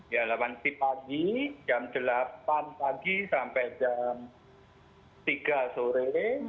ya delapan si pagi jam delapan pagi sampai jam tiga sore